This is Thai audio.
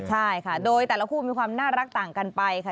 ใช่ค่ะโดยแต่ละคู่มีความน่ารักต่างกันไปค่ะ